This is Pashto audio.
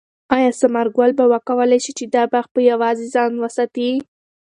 آیا ثمر ګل به وکولای شي چې دا باغ په یوازې ځان وساتي؟